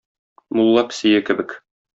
Мулла песие кебек.